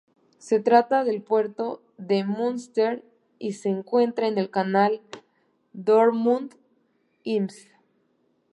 Se trata del puerto de Münster y se encuentra en el canal Dortmund-Ems.